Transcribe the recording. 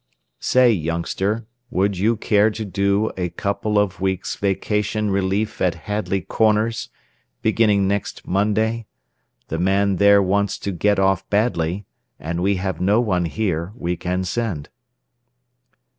'" "Say, youngster, would you care to do a couple of weeks' vacation relief at Hadley Corners, beginning next Monday? The man there wants to get off badly, and we have no one here we can send."